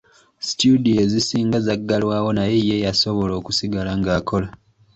Situdiyo ezisinga zaggalawo naye ye yasobola okusigala ng'akola.